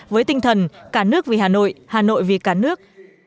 với tinh thần cả nước vì hà nội hà nội vì cả nước